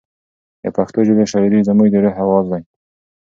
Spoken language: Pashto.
د پښتو ژبې شاعري زموږ د روح اواز دی.